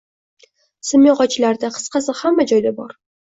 simyog‘ochlarda, qisqasi, hamma joyda bor